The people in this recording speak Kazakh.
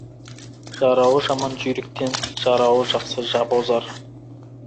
Жарауы жаман жүйріктен, жарауы жақсы жабы озар.